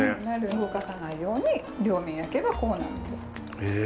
動かさないように両面焼けばこうなるんです。